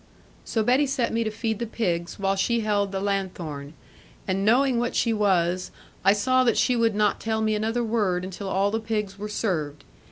So Betty set me to feed the pigs, while she held the lanthorn; and knowing what she was, I saw that she would not tell me another word until all the pigs were served.